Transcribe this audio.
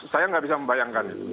saya nggak bisa membayangkan itu